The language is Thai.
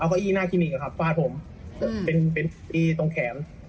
เอาก้ออี้หน้าทีมิกครับฟาดผมเป็นอีตรงแขน